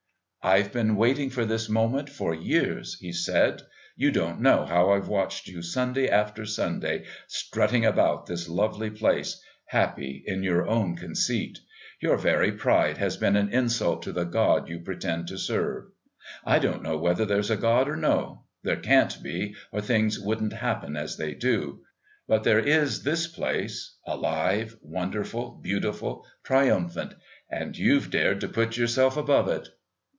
"I've been waiting for this moment for years," he said; "you don't know how I've watched you Sunday after Sunday strutting about this lovely place, happy in your own conceit. Your very pride has been an insult to the God you pretend to serve. I don't know whether there's a God or no there can't be, or things wouldn't happen as they do but there is this place, alive, wonderful, beautiful, triumphant, and you've dared to put yourself above it....